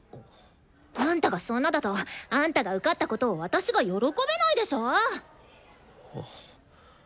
あんたがそんなだとあんたが受かったことを私が喜べないでしょ！